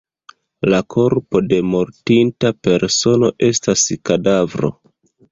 La korpo de mortinta persono estas kadavro.